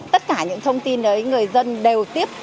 tất cả những thông tin đấy người dân đều tiếp cận được